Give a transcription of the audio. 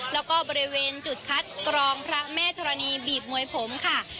แล้วก็บริเวณจุดคัดกรองพระแม่ธรณีบีบมวยผมค่ะ